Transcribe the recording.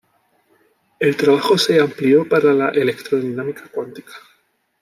El trabajo se amplió para la electrodinámica cuántica.